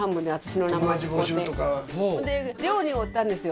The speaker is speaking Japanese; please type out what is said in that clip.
ほんで寮に居ったんですよ